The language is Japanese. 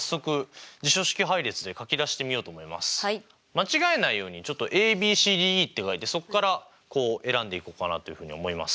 間違えないようにＡＢＣＤＥって書いてそこからこう選んでいこうかなというふうに思います。